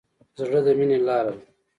زړه د مینې لاره ده.